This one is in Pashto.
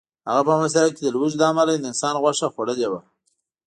هغه په محاصره کې د لوږې له امله د انسان غوښه خوړلې وه